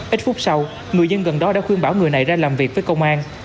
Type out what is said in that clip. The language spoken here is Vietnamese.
ít phút sau người dân gần đó đã khuyên bảo người này ra làm việc với công an